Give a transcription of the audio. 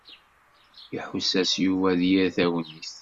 Iḥuss-as Yuba d yir tagnit.